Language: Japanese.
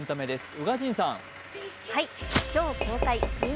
宇賀神さん。